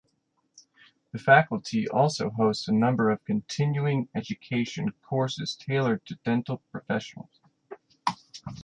The Faculty also hosts a number of continuing education courses tailored to dental professionals.